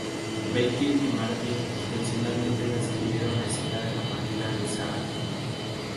Baker y Martin intencionadamente no escribieron la escena de la partida de Sarah.